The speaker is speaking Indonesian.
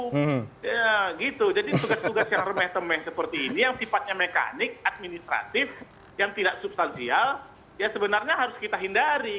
ya gitu jadi tugas tugas yang remeh temeh seperti ini yang sifatnya mekanik administratif yang tidak substansial ya sebenarnya harus kita hindari